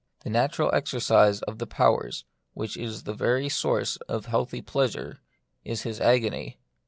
The natural exer cise of the powers, which is the very source of healthy pleasure, is his agony.